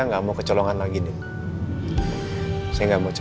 pak putra tolong turunin bonekanya ya